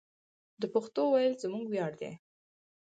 د پښتو ویل زموږ ویاړ دی.